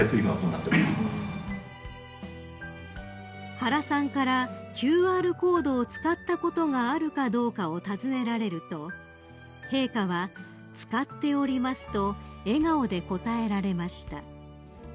［原さんからＱＲコードを使ったことがあるかどうかを尋ねられると陛下は「使っております」と笑顔で応えられました］